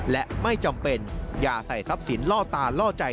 และไม่จำเป็นอย่าใส่ทรัพย์สินล่อตาล่อใจ